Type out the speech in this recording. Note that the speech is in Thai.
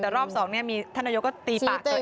แต่รอบสองเนี่ยมีท่านนายกก็ตีปากเลย